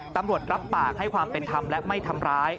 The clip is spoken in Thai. ตำรวจรับปากให้ความเป็นธรรมและไม่ทำร้าย